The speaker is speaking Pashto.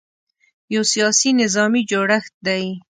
یو سیاسي – نظامي جوړښت دی.